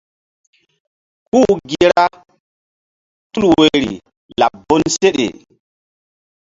́U gi ra tul woyri laɓ bonseɗe.